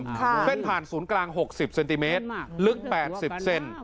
ค่ะเพื่อนผ่านศูนย์กลางหกสิบเซนติเมตรลึกแปดสิบเซน